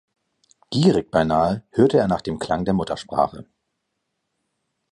Gierig beinahe hörte er nach dem Klang der Muttersprache.